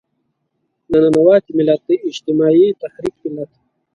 د ننواتې ملت، د اجتماعي تحرک ملت.